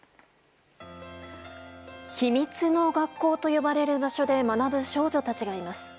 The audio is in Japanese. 秘密の学校と呼ばれる場所で学ぶ少女たちがいます。